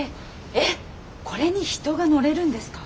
えっこれに人が乗れるんですか？